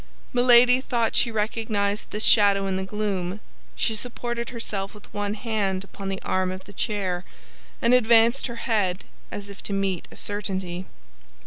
Milady thought she recognized this shadow in the gloom; she supported herself with one hand upon the arm of the chair, and advanced her head as if to meet a certainty.